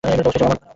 ও আমার বন্ধু নয়।